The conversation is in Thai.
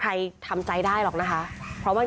คือตอนที่แม่ไปโรงพักที่นั่งอยู่ที่สพ